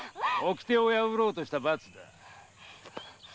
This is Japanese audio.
掟を破ろうとした罰だ。